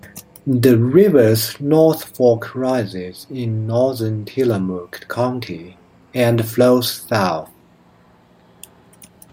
The river's North Fork rises in northern Tillamook County and flows south.